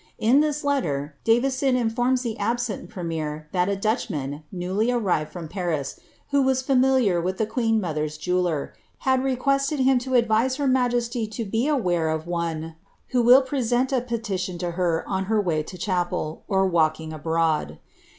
In this letter, Davison in forms the absent premier that a Dutchman, newly arrived from Paris, who was familiar with the queen mother's jeweller, had requested him to advise her majesty to beware of one who will present a petition to her on her way to chapel, or walking abroad.